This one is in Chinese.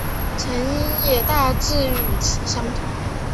成因也大致与此相同。